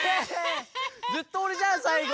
ずっとおれじゃんさいご！